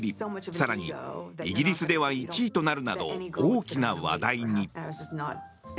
更に、イギリスでは１位となるなど大きな話題に。